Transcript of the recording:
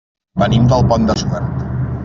Venim del Pont de Suert.